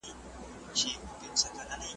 چي قاضي کړه د طبیب دعوه منظوره `